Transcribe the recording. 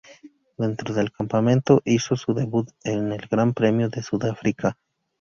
Dentro del campeonato, hizo su debut en el Gran Premio de Sudáfrica.